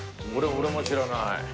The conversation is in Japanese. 俺も知らない。